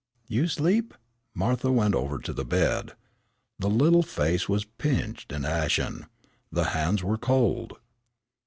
"You sleep?" Martha went over to the bed. The little face was pinched and ashen. The hands were cold.